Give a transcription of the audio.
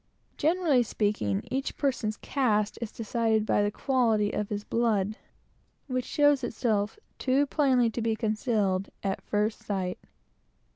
Generally speaking, each person's caste is decided by the quality of the blood, which shows itself, too plainly to be concealed, at first sight.